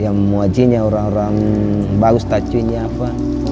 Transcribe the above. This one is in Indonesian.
yang wajibnya orang orang yang bagus tajuinnya